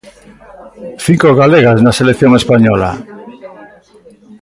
Cinco galegas na selección española.